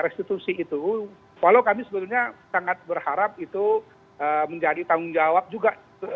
restitusi itu walau kami sebetulnya sangat berharap itu menjadi tanggung jawab juga